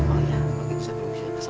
oh iya begitu saya berusaha